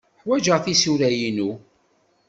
Ḥwajeɣ tisura-inu.